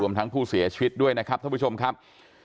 ทั้งผู้เสียชีวิตด้วยนะครับท่านผู้ชมครับ